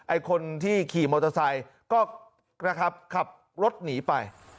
ไอ้คนที่ขี่มอเตอร์ไซค์ก็นะครับขับรถหนีไป